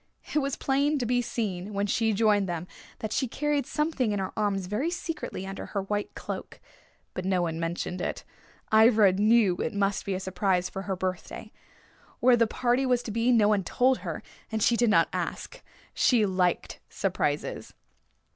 It was plain to be seen, when she joined them, that she carried something in her arms very secretly under her white cloak. But no one mentioned it. Ivra knew it must be a surprise for her birthday. Where the party was to be no one told her, and she did not ask. She liked surprises.